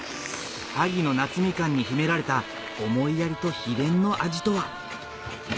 萩の夏みかんに秘められた思いやりと秘伝の味とは？